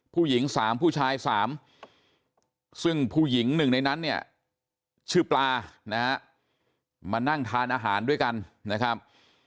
ผู้หญิง๓ผู้ชาย๓ซึ่งผู้หญิงหนึ่งในนั้นเนี่ยชื่อปลานะฮะมานั่งทานอาหารด้วยกันนะครับ